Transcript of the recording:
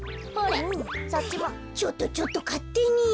ちょっとちょっとかってに。